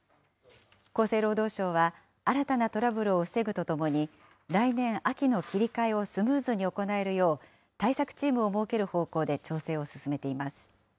厚生労働省は、新たなトラブルを防ぐとともに、来年秋の切り替えをスムーズに行えるよう、対策チームを設ける方向で調整を進めています。